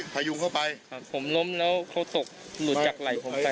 พยุงเข้าไปครับผมล้มแล้วเขาตกหลุดจากไหล่ผมไป